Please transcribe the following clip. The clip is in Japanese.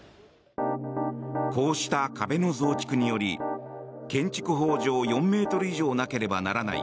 こうした壁の増築により建築法上４ｍ以上なければならない